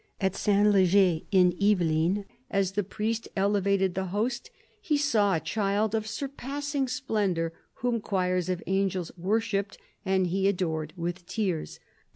At S. Leger in Yveline, as the priest elevated the host, he saw a child of surpassing splendour, whom choirs of angels worshipped, and he adored with tears.